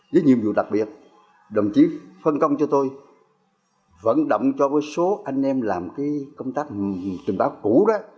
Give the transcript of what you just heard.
với nhiệm vụ đặc biệt đồng chí phân công cho tôi vận động cho số anh em làm cái công tác trình báo cũ đó